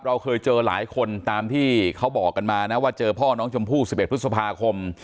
เราเคยเจอหลายคนตามที่เขาบอกกันมานะว่าเจอพ่อน้องชมพู่๑๑พฤษภาคม